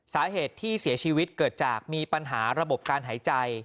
สาเหตุที่เสียชีวิตเกิดจากมีปัญหาระบบการหายใจ